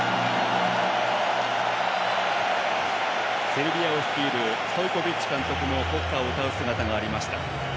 セルビアを率いるストイコビッチ監督も国歌を歌う姿がありました。